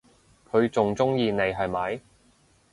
佢仲鍾意你係咪？